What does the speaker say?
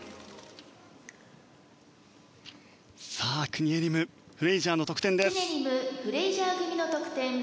さあ、クニエリムフレイジャーの得点です。